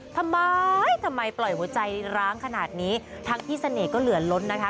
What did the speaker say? ทำไมทำไมปล่อยหัวใจร้างขนาดนี้ทั้งพี่เสน่ห์ก็เหลือล้นนะคะ